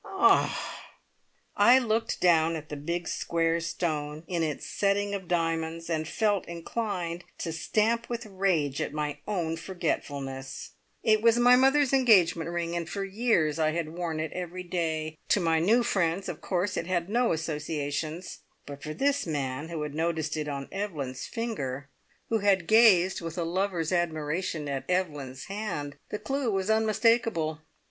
"Ah!" I looked down at the big square stone in its setting of diamonds, and felt inclined to stamp with rage at my own forgetfulness. It was my mother's engagement ring, and for years I had worn it every day. To my new friends, of course, it had no associations; but for this man who had noticed it on Evelyn's finger, who had gazed with a lover's admiration at Evelyn's hand, the clue was unmistakable!